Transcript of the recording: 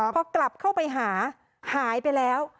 พอกลับเข้าไปหาหายไปแล้ว